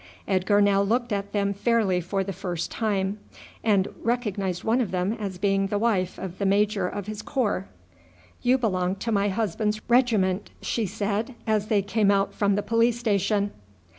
Edgar now looked at them fairly for the first time, and recognized one of them as being the wife of the major of his corps. "You belong to my husband's regiment," she said as they came out from the police station.